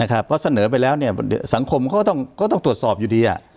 นะครับเพราะเสนอไปแล้วเนี้ยสังคมเขาก็ต้องก็ต้องตรวจสอบอยู่ดีอ่ะ